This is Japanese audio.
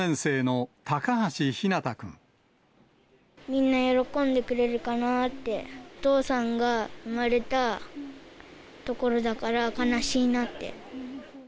みんな喜んでくれるかなって、お父さんが生まれた所だから、悲しいなって。